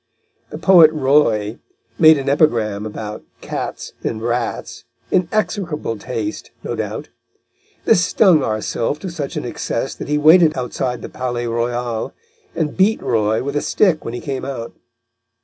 The poet Roy made an epigram about "cats" and "rats," in execrable taste, no doubt; this stung our Sylph to such an excess that he waited outside the Palais Royal and beat Roy with a stick when he came out.